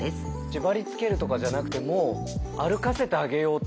縛りつけるとかじゃなくてもう歩かせてあげようと。